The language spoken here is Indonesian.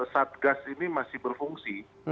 satgas ini masih berfungsi